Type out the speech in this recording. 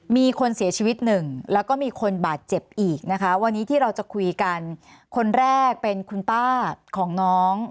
มีคนเสียชีวิตหนึ่งแล้วก็มีคนบาดเจ็บอีกนะคะวันนี้ที่เราจะคุยกันคนแรกเป็นคุณป้าของน้อง